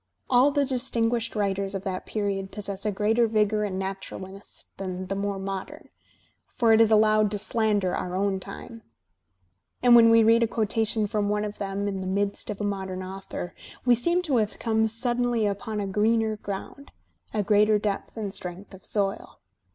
All the distinguished writers of that period Digitized by Google THOREAU 181 possess a greater vigour and naturalness than the more modem — for it is allowed to slander our own time — and when we read a quotation from one of them in the midst of a modem author, we seem to have come suddenly upon a greener ground, a greater depth and strength of soil.